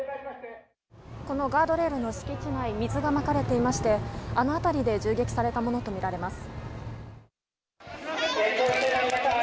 このガードレールの敷地内水がまかれていましてあの辺りで銃撃されたものとみられます。